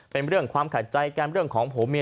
เป็นเรื่องความขัดใจกันเรื่องของผัวเมีย